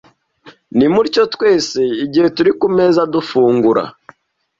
Nimutyo twese igihe turi ku meza dufungura